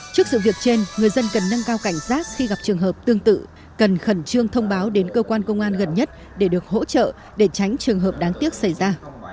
trước sự việc trên người dân cần nâng cao cảnh giác khi gặp trường hợp tương tự cần khẩn trương thông báo đến cơ quan công an gần nhất để được hỗ trợ để tránh trường hợp đáng tiếc xảy ra